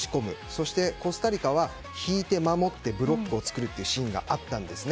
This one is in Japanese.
そして、コスタリカは引いて守ってブロックを作るというシーンがあったんです。